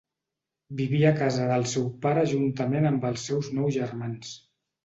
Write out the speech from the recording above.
Vivia a casa del seu pare juntament amb els seus nou germans.